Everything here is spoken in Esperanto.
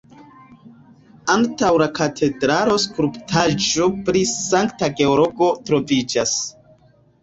Antaŭ la katedralo skulptaĵo pri Sankta Georgo troviĝas.